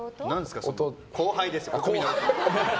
後輩です。